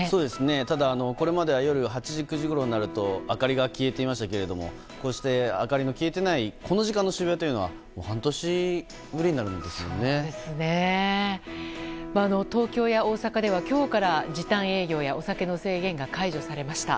ただ、これまでは夜８時、９時ごろになると明かりが消えていましたけどもこうして明かりの消えてないこの時間の渋谷は東京や大阪では今日から時短営業やお酒の制限が解除されました。